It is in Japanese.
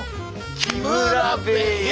木村部屋！